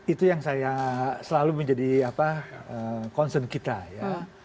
itu yang saya selalu menjadi concern kita ya